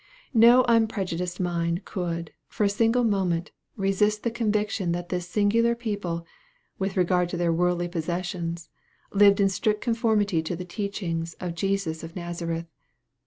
No unprejudiced mind could, for a single moment, resist the conviction that this singular people, with regard to their worldly possessions, lived in strict conformity to the teachings of Jesus of Nazareth.